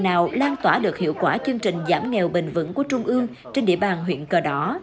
nào lan tỏa được hiệu quả chương trình giảm nghèo bền vững của trung ương trên địa bàn huyện cờ đỏ